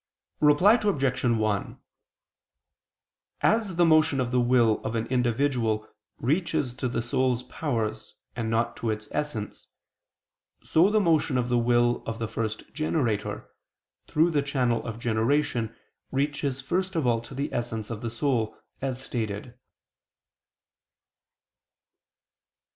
Reply Obj. 1: As the motion of the will of an individual reaches to the soul's powers and not to its essence, so the motion of the will of the first generator, through the channel of generation, reaches first of all to the essence of the soul, as stated.